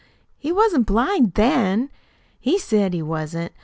"He wasn't blind then. He said he wasn't.